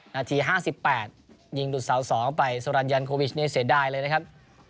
นาที๕๘ยิงดูดเสา๒ไปสุรรณยันโควิชเนี่ยเสียดายเลยนะครับ